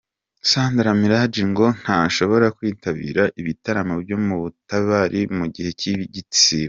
Sandra Milaj ngo ntashobora kwitabira ibitaramo byo mu tubari mu gihe cy'igisibo.